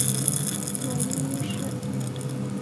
佐伊一世。